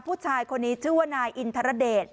ผู้ชายคนนี้ชื่อว่านายอินทรเดช